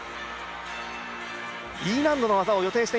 Ｅ難度の技を予定。